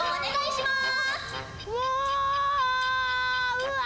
うわ。